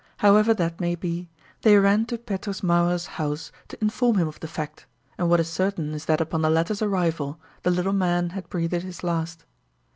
However that may be, they ran to Petrus Mauerer's house to inform him of the fact, and what is certain is that upon the latter's arrival the little man had breathed his last.